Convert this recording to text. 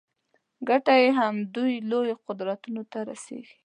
ګټه یې همدوی لویو قدرتونو ته رسېږي.